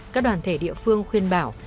các đoàn thể địa phương khuyên bảo